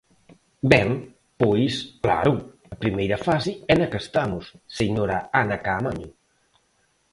¡Ben, pois, claro, a primeira fase é na que estamos, señora Ana Caamaño!